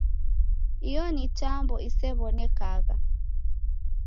Iyo ni tambo isew'onekagha.